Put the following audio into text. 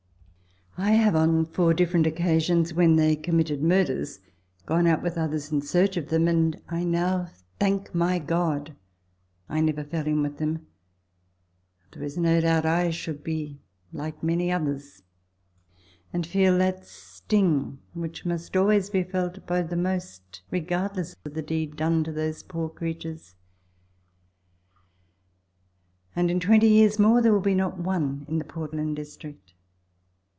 I have on four different occasions, when they committed murders, gone out with others in search of them, and / now thank my God I never fell in with them, or there is no doubt I should be like many others, and feel that sting which must always be felt by the most regardless of the deed done to those poor creatures ; and in twenty years more there will not be one in the Portland District.